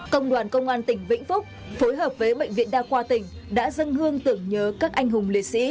công đoàn công an tỉnh vĩnh phúc phối hợp với bệnh viện đa khoa tỉnh đã dâng hương tưởng nhớ các anh hùng liệt sĩ